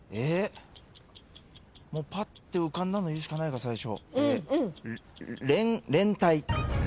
ぱって浮かんだの言うしかないか最初。